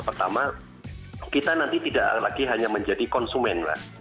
pertama kita nanti tidak lagi hanya menjadi konsumen lah